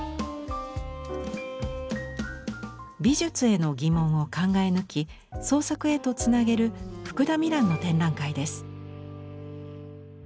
美術への疑問を考え抜き創作へとつなげる福田美蘭の展覧会です。